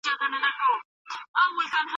پرېږدی چي موږ هم څو شېبې ووینو